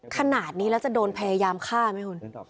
ขนาดนี้แล้วจะโดนพยายามฆ่าไหมคุณ